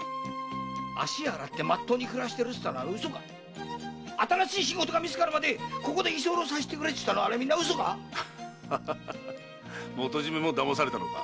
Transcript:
足を洗ってまっとうに暮らしてるってのはウソか⁉新しい仕事が見つかるまでここで居候させてくれってのもウソか⁉元締も騙されたのか。